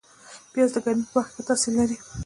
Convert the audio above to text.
پیاز د ګرمۍ په وخت ښه تاثیر لري